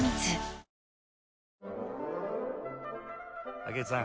武内さん